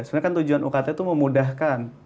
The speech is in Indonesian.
sebenarnya kan tujuan ukt itu memudahkan